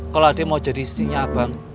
kalo adik mau jadi istrinya abang